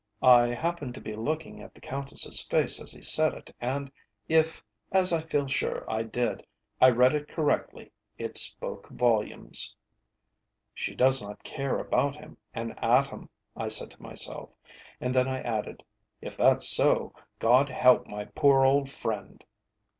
I happened to be looking at the Countess's face as he said it, and if as I feel sure I did I read it correctly, it spoke volumes. "She does not care about him an atom," I said to myself; and then I added, "if that's so, God help my poor old friend!"